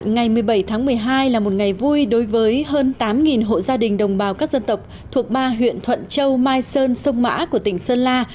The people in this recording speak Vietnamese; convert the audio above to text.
ngày một mươi bảy tháng một mươi hai là một ngày vui đối với hơn tám hộ gia đình đồng bào các dân tộc thuộc ba huyện thuận châu mai sơn sông mã của tỉnh sơn la